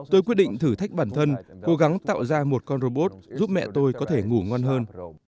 tôi quyết định thử thách bản thân cố gắng tạo ra một con robot giúp mẹ tôi có thể ngủ ngon hơn